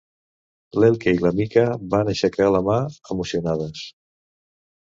L'Elke i la Mica van aixecar la mà, emocionades.